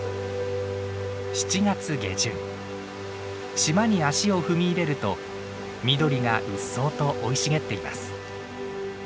島に足を踏み入れると緑がうっそうと生い茂っています。